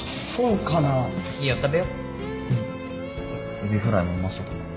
エビフライもうまそうだな。